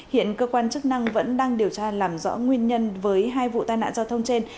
hiện cơ quan chức năng vẫn đang điều tra làm rõ nguyên nhân với hai vụ tai nạn giao thông trên